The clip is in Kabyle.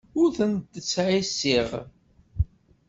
Ur tent-ttṣeɛṣiɛeɣ.